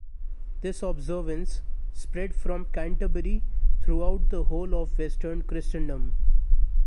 This observance spread from Canterbury throughout the whole of western Christendom.